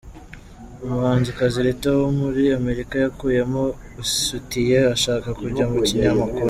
Umuhanzikazi Rita Womuri America yakuyemo isutiye ashaka kujya mu kinyamakuru